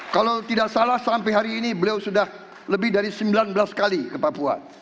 kalau tidak salah sampai hari ini beliau sudah lebih dari sembilan belas kali ke papua